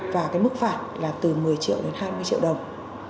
và cái mức phạt là từ một mươi triệu đến hai mươi triệu đồng